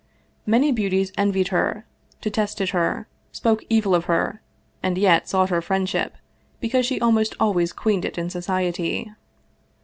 Many beauties envied her, detested her, spoke evil of her, and yet sought her friendship, because she al most always queened it in society.